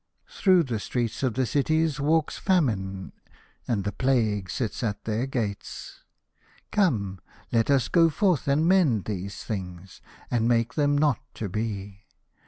Through the streets of the cities walks Famine, and the Plague sits at their gates. Come, let us go forth and mend these things, and make them not to be.